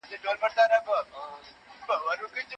سردار محمد داود خان د خپل هېواد د عزت لپاره ژوند وکړ.